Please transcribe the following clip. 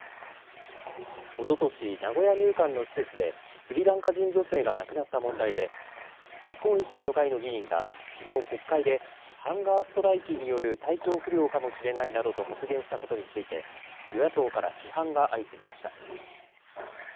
おととし、名古屋入管の施設でスリランカ人女性が亡くなった問題で日本維新の会の議員がきのう国会でハンガーストライキによる体調不良かもしれないなどと発言したことについて与野党から批判が相次ぎました。